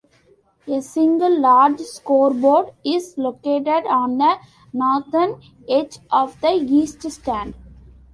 A single large scoreboard is located on the northern edge of the east stand.